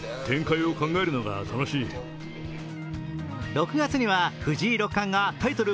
６月には藤井六冠がタイトル